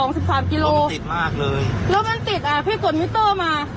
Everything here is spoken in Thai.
โอ้โหติดมากเลยแล้วมันติดอ่ะพี่กดมิตเตอร์มา